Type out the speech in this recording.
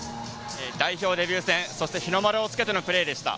代表デビュー戦、そして日の丸をつけてのプレーでした。